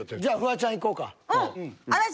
じゃあフワちゃんいこうか。